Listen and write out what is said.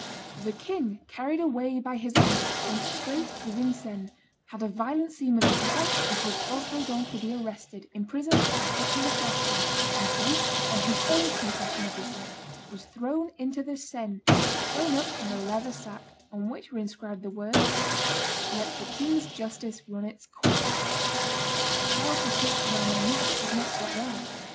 The king, carried away by his anger, went straight to Vincennes, had a violent scene with his wife, and caused Bosredon to be arrested, imprisoned, and put to the question; and he, on his own confession it is said, was thrown into the Seine, sewn up in a leathern sack, on which were inscribed the words, "Let the king's justice run its course!" Charles VI. and Armagnac did not stop there.